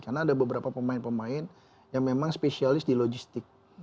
karena ada beberapa pemain pemain yang memang spesialis di logistik